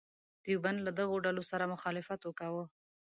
دیوبند له دغو ډلو سره مخالفت وکاوه.